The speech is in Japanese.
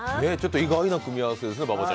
意外な組み合わせですね。